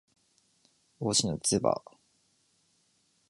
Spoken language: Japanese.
帽子のつば